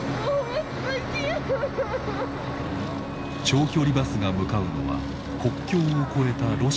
長距離バスが向かうのは国境を越えたロシア。